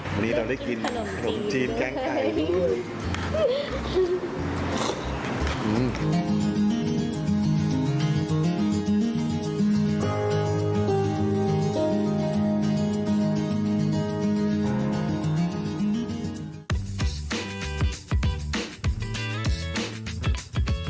วันนี้เราได้กินขนมจีนแก้งไก่เลยครับครับสุขขนมจีนแก้งไก่